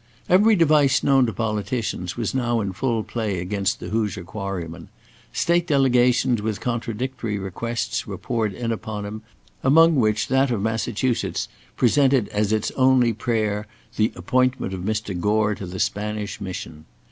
Every device known to politicians was now in full play against the Hoosier Quarryman. State delegations with contradictory requests were poured in upon him, among which that of Massachusetts presented as its only prayer the appointment of Mr. Gore to the Spanish mission.